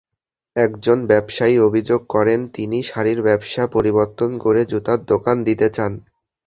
একজন ব্যবসায়ী অভিযোগ করেন, তিনি শাড়ির ব্যবসা পরিবর্তন করে জুতার দোকান দিতে চান।